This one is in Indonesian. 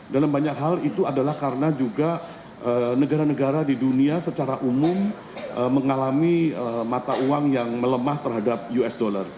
dalam banyak hal itu adalah karena juga negara negara di dunia secara umum mengalami mata uang yang melemah terhadap usd